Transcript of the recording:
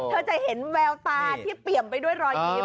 เธอจะเห็นแววตาที่เปี่ยมไปด้วยรอยยิ้ม